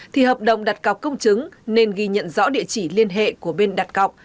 thì hợp đồng đặt cọc công chứng nên ghi nhận rõ địa chỉ liên hệ của bên đặt cọc